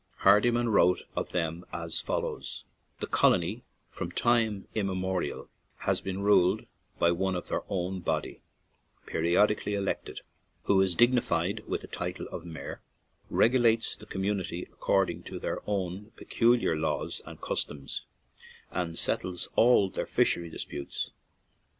Hardiman wrote of them as follows: "The colony from time im memorial has been ruled by one of their own body, periodically elected, who is dig nified with the title of mayor, regulates the community according to their own peculiar laws and customs, and settles all their fishery disputes.